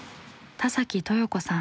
田豊子さん。